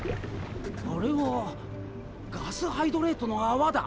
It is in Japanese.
あれはガスハイドレートの泡だ！